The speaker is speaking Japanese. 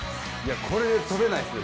これで跳べないですよ